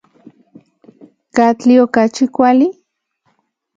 ¿Katli okachi kuali?